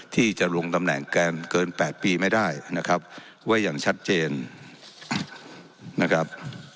ที่จะลงตำแหน่งเกิน๘ปีไม่ได้นะครับว่าอย่างชัดเจนนะครับ